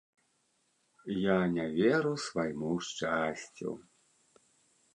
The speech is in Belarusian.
Я не веру свайму шчасцю!